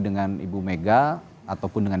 dengan ibu mega ataupun dengan